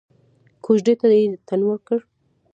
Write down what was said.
کوژدې ته يې تن ورکړ.